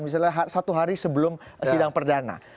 misalnya satu hari sebelum sidang perdana